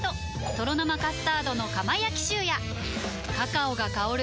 「とろ生カスタードの窯焼きシュー」やカカオが香る！